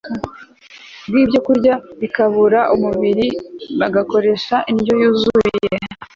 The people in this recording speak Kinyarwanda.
bwibyokurya bikabura umubiri bagakoresha indyo yuzuye